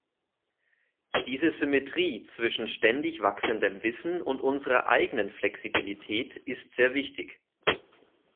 Diese Symmetrie zwischen ständig wachsendem Wissen und unserer eigenen Flexibilität ist sehr wichtig.